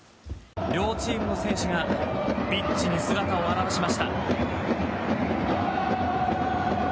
両チームの選手がピッチに姿を現しました。